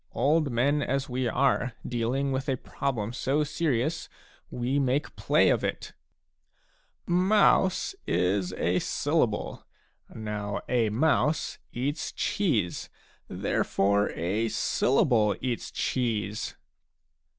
Old men as we are, dealing with a problem so serious, we make play of it ! Mouse ' is a syllable.^ Now a mouse eats cheese ; therefore, a syllable eats cheese."